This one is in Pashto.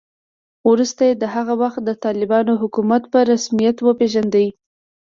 وروسته یې د هغه وخت د طالبانو حکومت په رسمیت وپېژاند